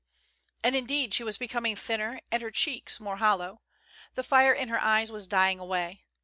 And, indeed, she was becoming thinner, and her cheeks^ more hollow. The fire in her eyes was dying away.